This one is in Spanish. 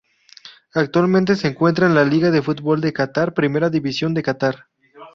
Actualmente se encuentra en la Liga de fútbol de Catar Primera División de Qatar.